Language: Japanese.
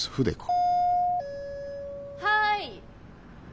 ・はい。